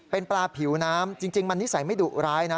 เป็นปลาผิวน้ำจริงมันนิสัยไม่ดุร้ายนะ